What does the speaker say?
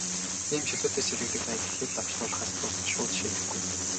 Ийм чөлөөтэй сэлгэдэг байдал асуудлыг лавшруулахаас бус, шууд шийдэхгүй.